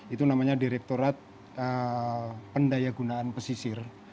itu namanya direktorat pendayagunaan pesisir